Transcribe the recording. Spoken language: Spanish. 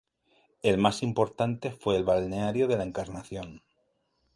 El más importante fue el balneario de la Encarnación.